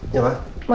ingat kamu di rumah